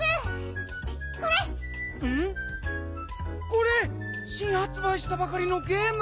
これしんはつばいしたばかりのゲーム！